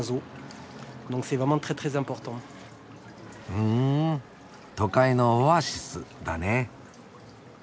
ふん都会のオアシスだね。